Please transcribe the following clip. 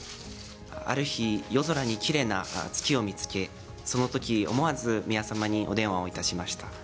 ある日、夜空にきれいな月を見つけ、そのとき、思わず宮さまにお電話をいたしました。